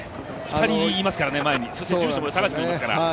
２人いますからね、前に、住所も山西もいますから。